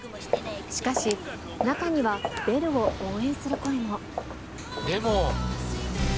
しかし、中にはベルを応援する声でも。